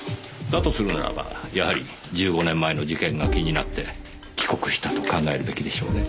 だとするならばやはり１５年前の事件が気になって帰国したと考えるべきでしょうね。